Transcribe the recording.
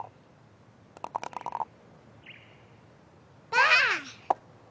ばあっ！